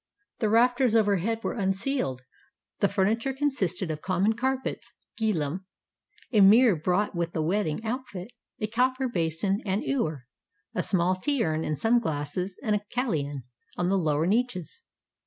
The rafters overhead were unceiled. The furniture consisted of common carpets (ghelim), a mirror brought with the wedding outfit, a copper basin and evv^er, a small tea urn and some glasses, and a kalean on the lower niches.